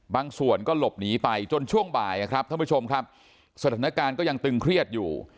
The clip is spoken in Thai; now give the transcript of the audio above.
บางส่วนก็หลบหนีไปจนช่วงบ่ายครับท่านผู้ชมครับสถานการณ์ก็ยังตึงเครียดอยู่